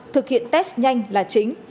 thực hiện test nhanh là chính